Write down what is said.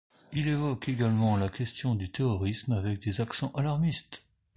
Il évoque également la question du terrorisme avec des accents alarmistes.